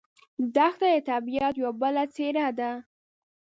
دښته د طبیعت یوه بله څېره ده.